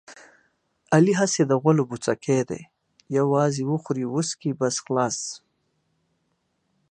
علي هسې د غولو غوڅکی دی یووازې وخوري وچکي بس خلاص.